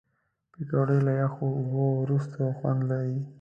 پکورې له یخو اوبو وروسته خوند لري